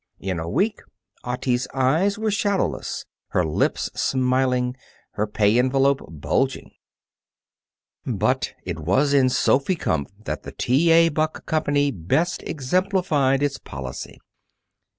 In a week, Otti's eyes were shadowless, her lips smiling, her pay envelope bulging. But it was in Sophy Kumpf that the T. A. Buck Company best exemplified its policy.